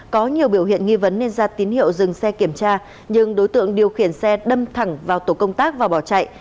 có nhiều biểu hiện nghi vấn nên ra tín hiệu dừng xe kiểm tra nhưng đối tượng điều khiển xe đâm thẳng vào tổ công tác và bỏ chạy